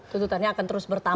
tuntutannya akan terus bertambah